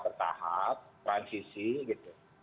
bertahap transisi gitu